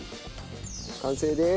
完成です。